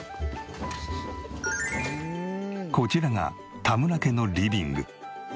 こちらが田村家のリビング。